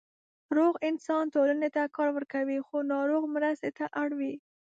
روغ انسان ټولنې ته کار ورکوي، خو ناروغ مرستې ته اړ وي.